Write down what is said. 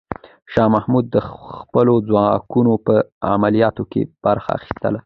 شاه محمود د خپلو ځواکونو په عملیاتو کې برخه اخیستله.